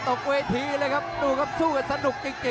ต้องบอกว่าคนที่จะโชคกับคุณพลน้อยสภาพร่างกายมาต้องเกินร้อยครับ